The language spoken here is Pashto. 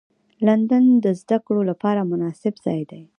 لندن د زدهکړو لپاره مناسب ځای دی